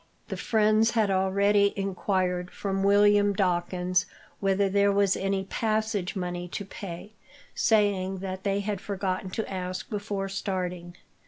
The friends had already enquired, from William Dawkins, whether there was any passage money to pay, saying that they had forgotten to ask before starting.